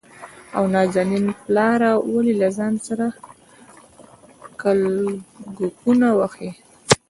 او نازنين پلاره ! ولې له ځان سره کلګکونه وهې؟